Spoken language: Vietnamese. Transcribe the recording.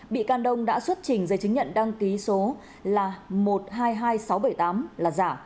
bị can đông đã xuất trình giấy chứng nhận đăng ký số một trăm hai mươi hai nghìn sáu trăm bảy mươi tám là giả